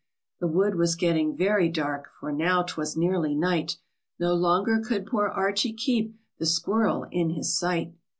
The wood was getting very dark, For now 'twas nearly night ; No longer could poor Archie keep The squirrel in his sight.